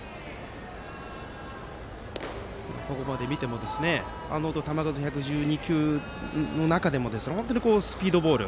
ここまで見ても球数１１２球の中でもスピードボール。